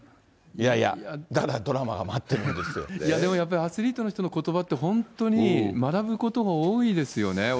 いやいや、いや、でもやっぱりアスリートの人のことばって、本当に学ぶことが多いですよね。